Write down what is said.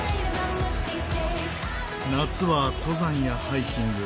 夏は登山やハイキング